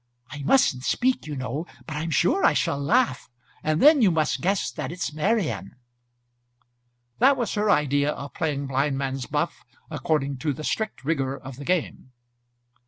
I mustn't speak, you know; but I'm sure I shall laugh; and then you must guess that it's Marian." That was her idea of playing blindman's buff according to the strict rigour of the game.